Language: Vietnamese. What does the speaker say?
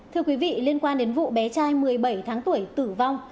thưa quý vị liên quan đến vụ bé trai một mươi bảy tháng tuổi tử vong